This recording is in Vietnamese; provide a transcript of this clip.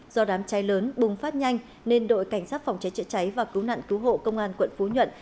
do đám cháy lớn bùng phát nhanh nên đội cảnh sát phòng cháy chữa cháy và cứu nạn cứu hộ công an quận phú nhuận